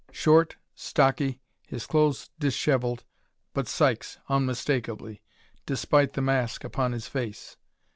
Short, stocky, his clothes disheveled but Sykes, unmistakably, despite the mask upon his face.